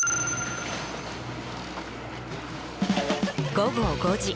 午後５時。